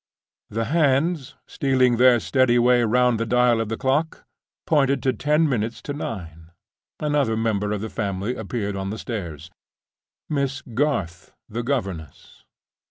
The hands, stealing their steady way round the dial of the clock, pointed to ten minutes to nine. Another member of the family appeared on the stairs—Miss Garth, the governess.